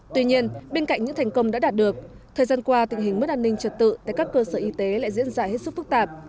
tuy nhiên bên cạnh những thành công đã đạt được thời gian qua tình hình mất an ninh trật tự tại các cơ sở y tế lại diễn ra hết sức phức tạp